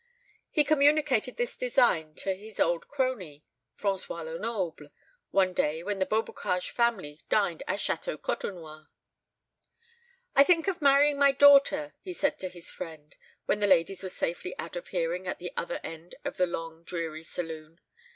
He communicated this design to his old crony, François Lenoble, one day when the Beaubocage family dined at Château Côtenoir. "I think of marrying my daughter," he said to his friend, when the ladies were safely out of hearing at the other end of the long dreary saloon.